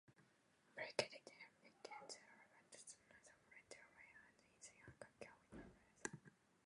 Baker dedicated the album to the Northern Territory and its unique characters.